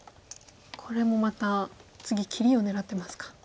これもまた次切りを狙ってますか。